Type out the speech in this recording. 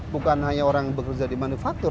bukan hanya orang bekerja di manufaktur